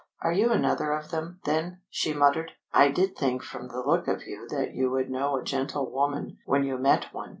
"Are you another of them, then?" she muttered. "I did think from the look of you that you would know a gentlewoman when you met one!